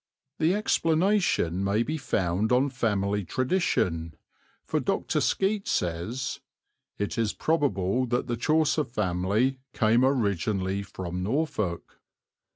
The explanation may be found on family tradition, for Dr. Skeat says "It is probable that the Chaucer family came originally from Norfolk."